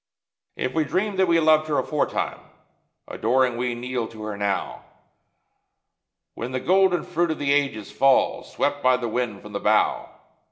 If we dreamed that we loved Her aforetime, adoring we kneel to Her now, When the golden fruit of the ages falls, swept by the wind from the bough.